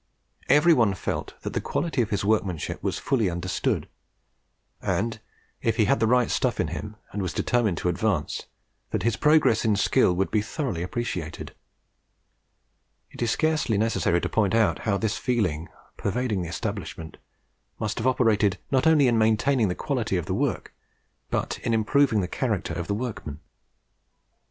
Every one felt that the quality of his workmanship was fully understood; and, if he had the right stuff in him, and was determined to advance, that his progress in skill would be thoroughly appreciated. It is scarcely necessary to point out how this feeling, pervading the establishment, must have operated, not only in maintaining the quality of the work, but in improving the character of the workmen.